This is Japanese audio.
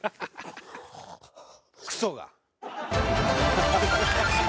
クソが！